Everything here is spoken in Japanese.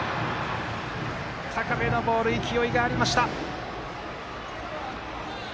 高めのボール、勢いがありました。